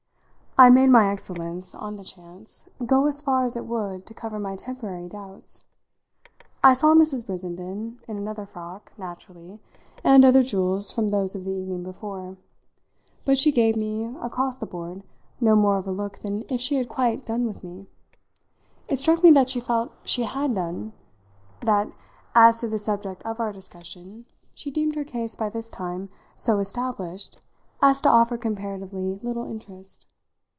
I made my excellence, on the chance, go as far as it would to cover my temporary doubts. I saw Mrs. Brissenden, in another frock, naturally, and other jewels from those of the evening before; but she gave me, across the board, no more of a look than if she had quite done with me. It struck me that she felt she had done that, as to the subject of our discussion, she deemed her case by this time so established as to offer comparatively little interest.